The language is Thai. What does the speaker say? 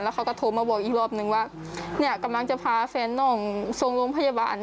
เขาก็โทรมาบอกอีกรอบนึงว่าเนี่ยกำลังจะพาแฟนน้องส่งโรงพยาบาล